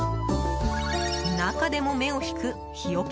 中でも目を引く日よけ